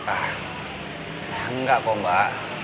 ah enggak kok mbak